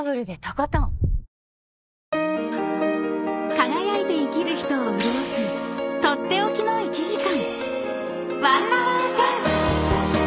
［輝いて生きる人を潤す取って置きの１時間］